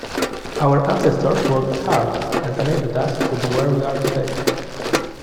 Our ancestors worked hard and enabled us to be where we are today.